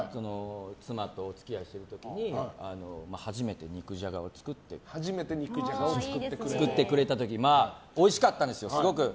妻とお付き合いしている時に初めて肉じゃがを作ってくれた時おいしかったんですよ、すごく。